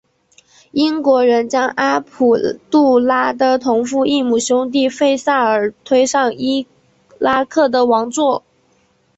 英国人将阿卜杜拉的同父异母兄弟费萨尔推上伊拉克的王座。